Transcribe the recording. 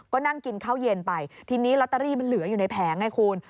ก็นั่งกินข้าวเย็นไปทีนี้ลอตเตอรี่มันเหลืออยู่ในแผงไงคุณ